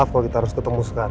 kalau kita harus ketemu sekarang